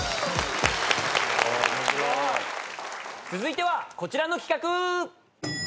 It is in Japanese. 続いてはこちらの企画。